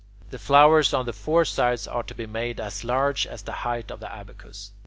The flowers on the four sides are to be made as large as the height of the abacus.